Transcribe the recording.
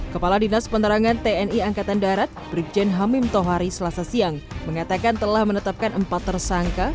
kepala dinas penerangan tni angkatan darat brigjen hamim tohari selasa siang mengatakan telah menetapkan empat tersangka